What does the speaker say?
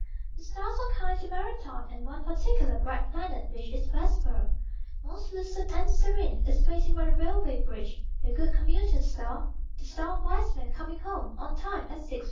The stars are kind to Marathon, And one particular Bright planet (which is Vesper) Most lucid and serene, Is waiting by the railway bridge, The Good Commuter's Star, The Star of Wise Men coming home On time, at 6:15!